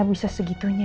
aku akan ke sana